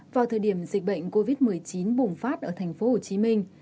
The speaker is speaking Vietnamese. vào thời điểm dịch bệnh covid một mươi chín bùng phát ở thành phố hồ chí minh